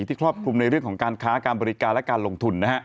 ครอบคลุมในเรื่องของการค้าการบริการและการลงทุน